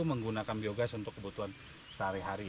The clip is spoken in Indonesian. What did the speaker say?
menggunakan biogas untuk kebutuhan sehari hari